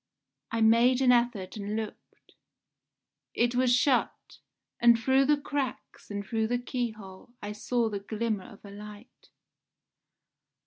I made an effort and looked. It was shut, and through the cracks and through the keyhole I saw the glimmer of a light.